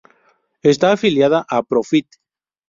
Está afiliada a Pro-Fit.